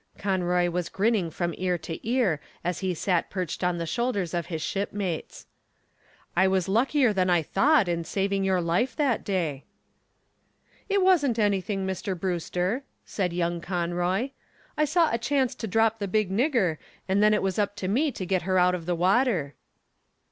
Conroy was grinning from ear to ear as he sat perched on the shoulders of his shipmates. "I was luckier than I thought in saving your life that day." "It wasn't anything, Mr. Brewster," said young Conroy. "I saw a chance to drop the big nigger, and then it was up to me to get her out of the water."